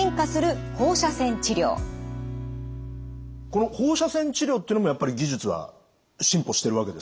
この放射線治療っていうのもやっぱり技術は進歩してるわけですか？